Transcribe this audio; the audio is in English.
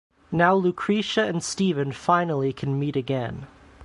Now Lucretia and Stephen finally can meet again.